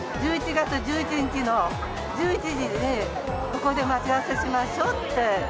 １１月１１日の１１時に、ここで待ち合わせしましょうって。